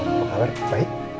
apa kabar baik